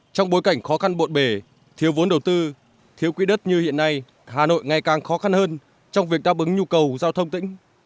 trong bối cảnh khó khăn bộn bề thiếu vốn đầu tư thiếu quỹ đất như hiện nay hà nội ngày càng khó khăn hơn trong việc đáp ứng nhu cầu giao thông tỉnh